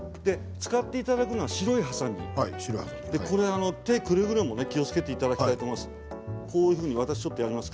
使っていただくのは白いはさみこれは手をくれぐれも気をつけていただきたいと思います。